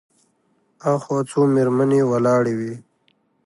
هاخوا څو مېرمنې ولاړې وې.